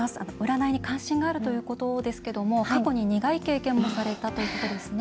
占いに関心があるということですけども過去に苦い経験もされたということですね。